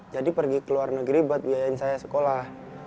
jadi pergi ke luar negeri buat biayain saya sekolah